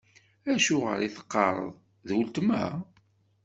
Acuɣer i teqqareḍ: D weltma?